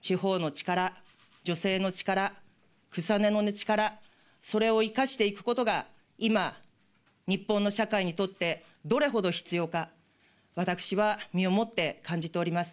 地方の力、女性の力、草の根の力、それを生かしていくことが、今、日本の社会にとってどれほど必要か、私は身をもって感じておりま